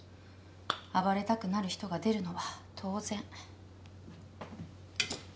暴れたくなる人が出るのは当然。